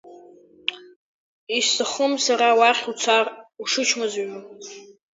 Исҭахым сара уахь уцар, ушычмазаҩу…